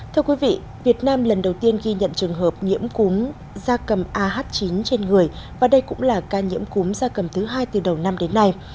thưa quý vị việt nam lần đầu tiên ghi nhận trường hợp nhiễm cúm da cầm ah chín trên người và đây cũng là ca nhiễm cúm gia cầm thứ hai từ đầu năm đến nay